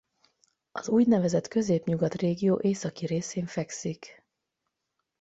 Az úgynevezett Közép-Nyugat régió északi részén fekszik.